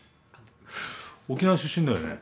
沖縄出身だよね？